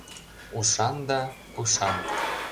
Ушан да... пушан.